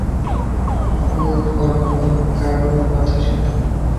খুব গরম লোক, কারো কথা শোনে না।